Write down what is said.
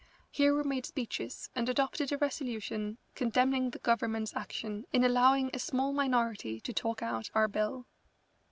Here we made speeches and adopted a resolution condemning the Government's action in allowing a small minority to talk out our bill.